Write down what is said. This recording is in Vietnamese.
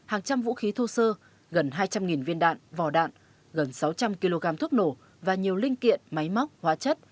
hàng trăm vũ khí thô sơ gần hai trăm linh viên đạn vò đạn gần sáu trăm linh kg thuốc nổ và nhiều linh kiện máy móc hóa chất